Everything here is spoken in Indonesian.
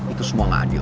itu semua gak adil